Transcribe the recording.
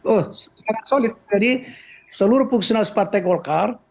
oh secara solid jadi seluruh fungsionalis partai golkar